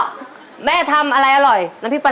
ตัวเลือกที่สี่ชัชวอนโมกศรีครับ